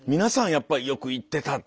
やっぱりよく行ってたっていう。